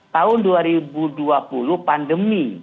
tahun dua ribu dua puluh pandemi